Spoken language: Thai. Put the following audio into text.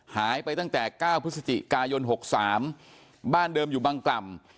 หายไปตั้งแต่๙พฤศจิกายน๖๓บ้านเดิมอยู่บังกล่ำ